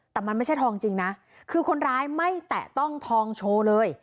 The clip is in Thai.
แต่มันไม่ใช่ทองจริงนะคือคนร้ายไม่แตะต้องทองโชว์เลย